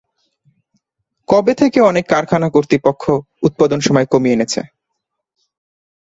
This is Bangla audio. কবে থেকে অনেক কারখানা কর্তৃপক্ষ উৎপাদন সময় কমিয়ে এনেছে?